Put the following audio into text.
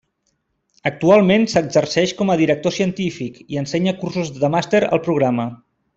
Actualment s'exerceix com a Director Científic i ensenya cursos de màster al programa.